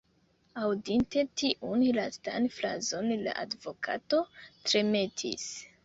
Aŭdinte tiun lastan frazon, la advokato tremetis.